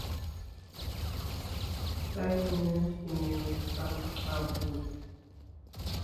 Sa yinə īnə nə sāŋ aboui.